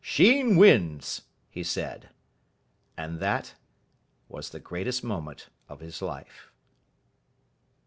"Sheen wins," he said. And that was the greatest moment of his life.